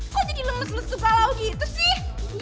kok jadi lelus lelus suka lau gitu sih